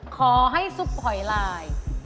ขอให้ซุปหอยลาย